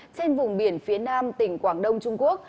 trên vùng biển phía nam tỉnh quảng đông trung quốc